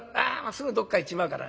すぐどっか行っちまうから。